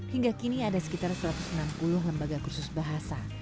hingga kini ada sekitar satu ratus enam puluh lembaga kursus bahasa